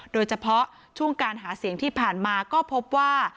โดยเฉพาะช่วงการหาเสียงที่ผ่านมาก็พบว่า